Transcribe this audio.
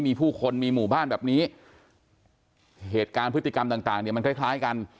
มีผู้คนมีหมู่บ้านแบบนี้เหตุการณ์พฤติกรรมต่างต่างเนี่ยมันคล้ายคล้ายกัน